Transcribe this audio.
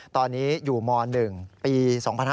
ตอนนี้อยู่ม๑ปี๒๕๕๙